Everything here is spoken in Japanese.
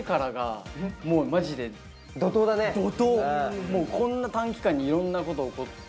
いやホントにこんな短期間にいろんなこと起こって。